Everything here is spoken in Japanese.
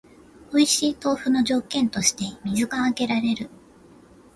おいしい豆腐の条件として水が挙げられる